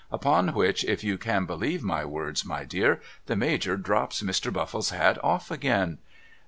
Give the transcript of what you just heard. Upon which if you can believe my words my dear the Major drops Mr. liuffle's hat off again.